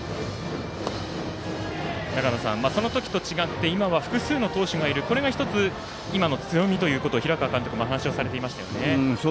その時と違って今は複数の投手がいるこれが１つ今の強みということを平川監督も話をしていました。